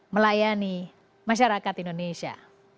melayani masyarakat indonesia